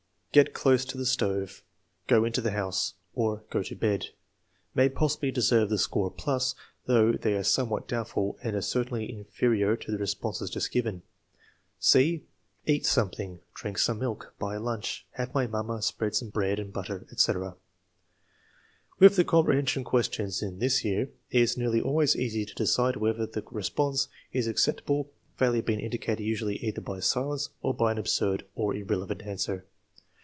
"Get close to the stove." "Go into the house," or, "Go to bed," may possibly deserve the score plus, though they are somewhat doubtful and are certainly inferior to the responses just given. (c) "Eat something." "Drink some milk." "Buy a lunch." "Have my mamma spread some bread and butter," etc. With the comprehension questions in this year it is nearly always easy to decide whether the response is ac ceptable, failure being indicated usually either by silence or by an absurd or irrelevant answer.